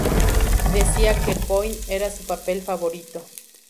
Decía que Point era su papel favorito.